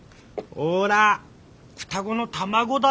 ほら双子の卵だよ！